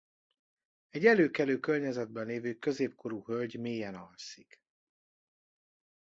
Egy előkelő környezetben lévő középkorú hölgy mélyen alszik.